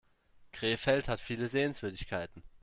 Krefeld hat viele Sehenswürdigkeiten